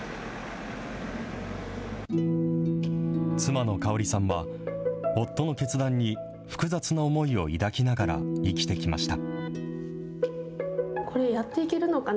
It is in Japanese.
妻の香織さんは、夫の決断に複雑な思いを抱きながら生きてきました。